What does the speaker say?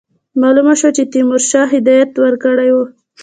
معلومه شوه چې تیمورشاه هدایت ورکړی وو.